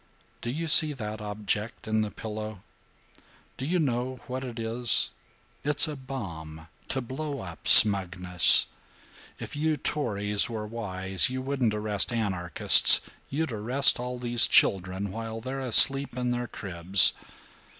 "Do you see that object on the pillow? Do you know what it is? It's a bomb to blow up smugness. If you Tories were wise, you wouldn't arrest anarchists; you'd arrest all these children while they're asleep in their cribs.